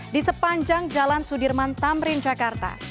di sepanjang jalan sudirman tamrin jakarta